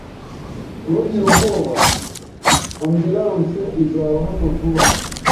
Ntugire ubwoba. Ambulanse izaba hano vuba